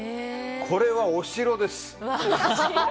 これはお城です。